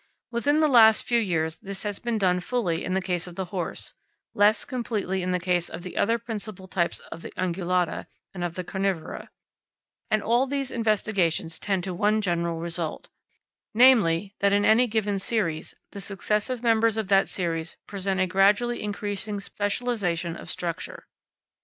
Within the last few years this has been done fully in the case of the horse, less completely in the case of the other principal types of the ungulata and of the carnivora; and all these investigations tend to one general result, namely, that, in any given series, the successive members of that series present a gradually increasing specialisation of structure.